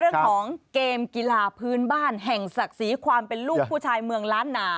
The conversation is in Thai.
เรื่องของเกมกีฬาพื้นบ้านแห่งศักดิ์ศรีความเป็นลูกผู้ชายเมืองล้านนา